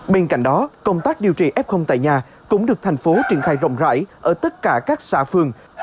bên cạnh đó công tác điều trị f tại nhà cũng được thành phố triển khai rộng rãi ở tất cả các xã phường